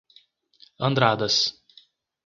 Andradas